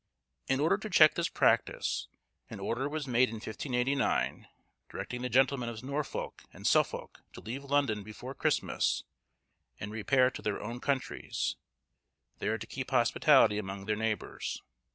In order to check this practice, an order was made in 1589, directing the gentlemen of Norfolk and Suffolk to leave London before Christmas, and repair to their own countries, there to keep hospitality among their neighbours.